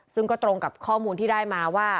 ซึ่งก็ตรงกับข้อมูลที่ได้มาว่า